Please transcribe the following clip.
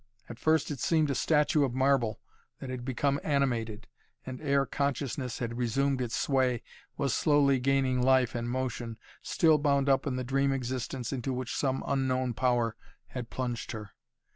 At first it seemed a statue of marble that had become animated and, ere consciousness had resumed its sway, was slowly gaining life and motion, still bound up in the dream existence into which some unknown power had plunged her.